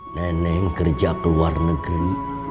neneng kerja ke luar negeri